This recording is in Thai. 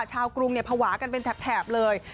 ชาวกรุงภาวะกันเป็นแถบเลย